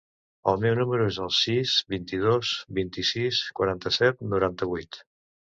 El meu número es el sis, vint-i-dos, vint-i-sis, quaranta-set, noranta-vuit.